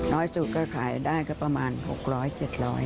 น้อยสุดก็ขายได้ก็ประมาณ๖๐๐๗๐๐บาท